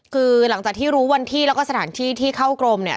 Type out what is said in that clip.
คือหลังจากที่รู้วันที่แล้วก็สถานที่ที่เข้ากรมเนี่ย